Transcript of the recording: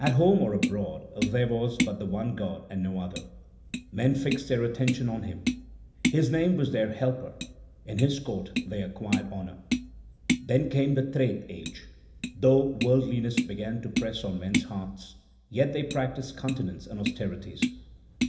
At home or abroad there was but the one God and no other. Men fixed their attention on Him ; His name was their helper ; in His court they acquired honour. Then came the Treta age — though worldliness began to press on men's hearts, yet they practised continence and austerities.